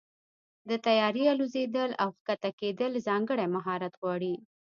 د طیارې الوزېدل او کښته کېدل ځانګړی مهارت غواړي.